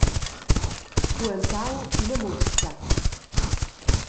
Spuentau ina mustga.